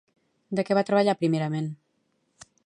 De què va treballar primerament?